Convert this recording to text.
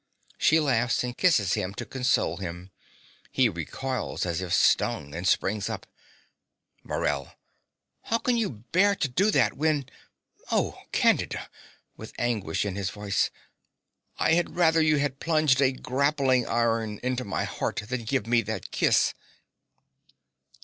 (She laughs, and kisses him to console him. He recoils as if stung, and springs up.) MORELL. How can you bear to do that when oh, Candida (with anguish in his voice) I had rather you had plunged a grappling iron into my heart than given me that kiss.